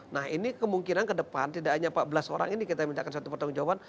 nah ini kemungkinan ke depan tidak hanya empat belas orang ini kita mintakan satu pertanggung jawaban